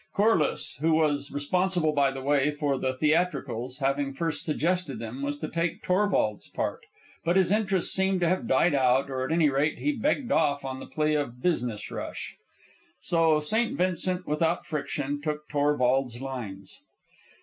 Corliss, who was responsible, by the way, for the theatricals, having first suggested them, was to take Torvald's part; but his interest seemed to have died out, or at any rate he begged off on the plea of business rush. So St. Vincent, without friction, took Torvald's lines.